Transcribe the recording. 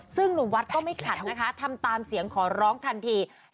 ซึ่งหนุ่มวัดก็ไม่ขัดนะคะทำตามเสียงขอร้องทันที